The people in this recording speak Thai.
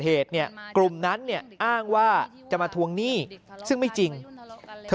เหตุเนี่ยกลุ่มนั้นเนี่ยอ้างว่าจะมาทวงหนี้ซึ่งไม่จริงเธอ